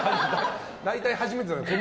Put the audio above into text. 大体初めてなんですよ